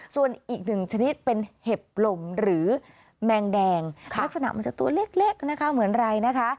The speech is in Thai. ส่วนอีกหนึ่งชนิดเป็นเห็บลมหรือแมงแดงลักษณะมันจะตัวเล็กนะคะเหมือนอะไรนะคะ